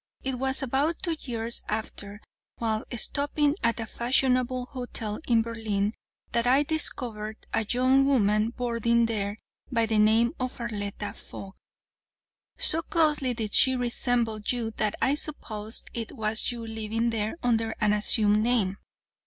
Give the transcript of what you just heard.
It was about two years after, while stopping at a fashionable hotel in Berlin that I discovered a young woman boarding there by the name of Arletta Fogg. So closely did she resemble you that I supposed it was you living there under an assumed name.